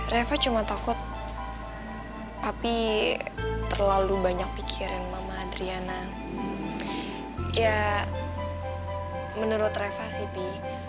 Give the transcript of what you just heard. reva cuma takut tapi terlalu banyak pikiran mama adriana ya menurut reva city